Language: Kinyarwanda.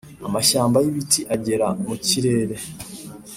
amashyamba y'ibiti agera mu kirere,